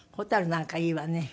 蛍なんかいいわね。